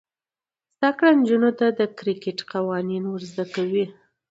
زده کړه نجونو ته د کرکټ قوانین ور زده کوي.